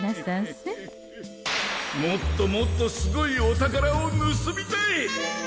もっともっとすごいお宝を盗みたい！